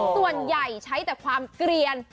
ส่วนใหญ่ใช้แต่ความเกลียน